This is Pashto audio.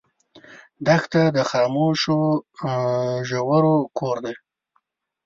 دښته د خاموشو ژورو کور دی.